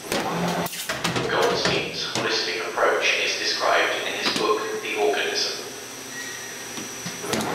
Goldstein's holistic approach is described in his book "The Organism".